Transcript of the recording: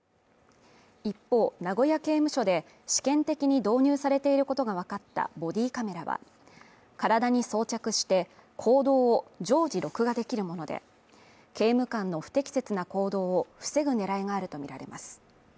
一方、名古屋刑務所で試験的に導入されていることがわかったボディーカメラは、体に装着して行動を常時録画できるもので、刑務官の不適切な行動を防ぐ狙いがあるとみられます。